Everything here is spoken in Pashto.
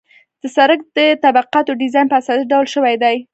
د سرک د طبقاتو ډیزاین په اساسي ډول شوی دی